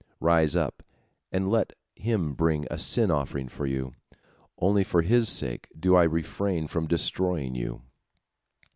Rise up and let him bring a sin offering for you. Only for his sake do I refrain from destroying you."